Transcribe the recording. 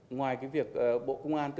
ngoài cái việc bộ công an